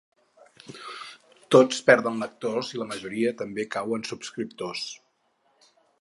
Tots perden lectors i la majoria també cau en subscriptors.